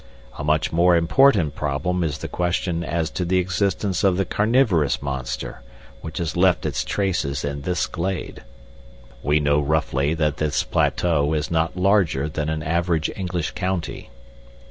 A much more important problem is the question as to the existence of the carnivorous monster which has left its traces in this glade. We know roughly that this plateau is not larger than an average English county.